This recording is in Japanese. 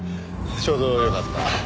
ちょうどよかった。